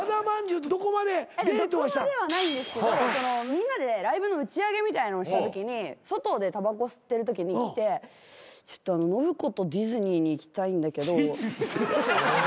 どこまではないんですけどみんなでライブの打ち上げみたいのをしたときに外でたばこを吸ってるときに来てちょっと信子とディズニーに行きたいんだけど。